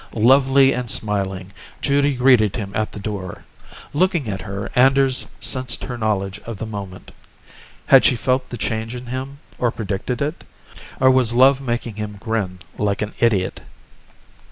Lovely and smiling, Judy greeted him at the door. Looking at her, Anders sensed her knowledge of the moment. Had she felt the change in him, or predicted it? Or was love making him grin like an idiot?